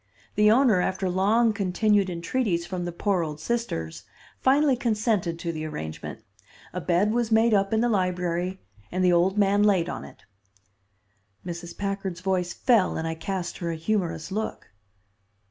The owner, after long continued entreaties from the poor old sisters, finally consented to the arrangement. A bed was made up in the library, and the old man laid on it." Mrs. Packard's voice fell, and I cast her a humorous look.